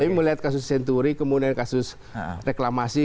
tapi melihat kasus senturi kemudian kasus reklamasi